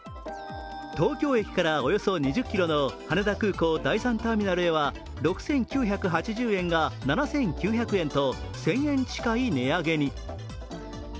東京駅からおよそ２０ｋｍの羽田空港第３ターミナルへは６９８０円が７９００円と１０００円近い値上げに。